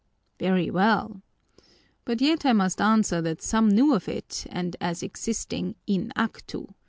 "Very well! But yet I must answer that some knew of it and as existing in actu.